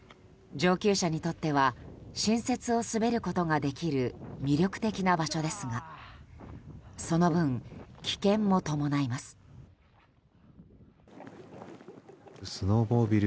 上級者にとっては新雪を滑ることができる魅力的な場所ですがその分、危険も伴います。